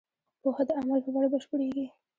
پوهه د عمل په بڼه بشپړېږي.